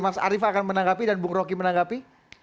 mas arief akan menanggapi dan bung roky menanggapi